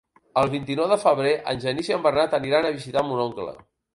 El vint-i-nou de febrer en Genís i en Bernat aniran a visitar mon oncle.